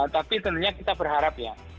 tapi tentunya kita berharap ya